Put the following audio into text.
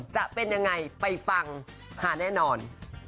จะเป็นยังไงไปฟังค่ะแน่นอน